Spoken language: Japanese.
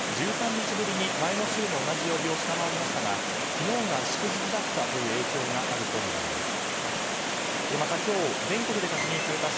１３日ぶりに前の週の同じ曜日を下回りましたが昨日が祝日だったという影響があるとみられます。